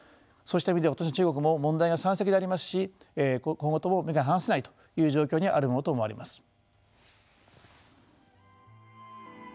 そうした意味で今年の中国も問題が山積でありますし今後とも目が離せないという状況にあるものと思われます。